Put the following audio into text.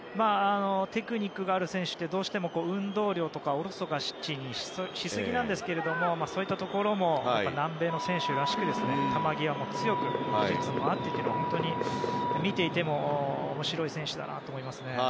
テクニックがある選手ってどうしても運動量とかおろそかにしすぎになりがちなんですがそういったところも南米の選手らしく球際も強く技術もあってという見ていても面白い選手だと思います。